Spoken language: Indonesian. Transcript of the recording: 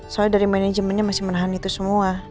soalnya dari manajemennya masih menahan itu semua